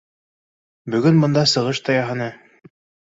Бөгөн бында сығыш та яһаны